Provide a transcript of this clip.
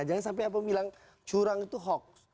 jangan sampai apa bilang kecurangan itu hoax